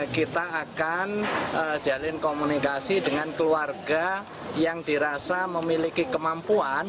kita akan jalin komunikasi dengan keluarga yang dirasa memiliki kemampuan